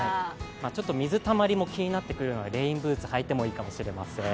ちょっと水たまりも気になってくるならレインブーツをはいてもいいかもしれません。